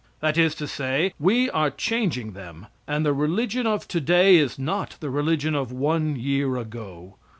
That is to say, we are changing them, and the religion of to day is not the religion of one year ago.